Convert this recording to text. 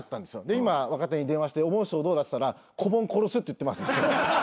で今若手に電話して「おぼん師匠どうだ？」っつったら「こぼん殺す」って言ってます。